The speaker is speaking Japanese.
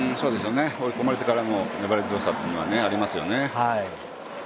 追い込まれてからの粘り強さというのはありますよね。